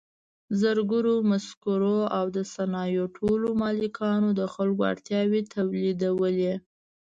زرګرو، مسګرو او د صنایعو ټولو مالکانو د خلکو اړتیاوې تولیدولې.